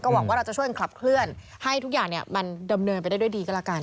หวังว่าเราจะช่วยกันขับเคลื่อนให้ทุกอย่างมันดำเนินไปได้ด้วยดีก็แล้วกัน